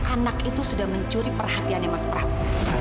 anak itu sudah mencuri perhatiannya mas prabu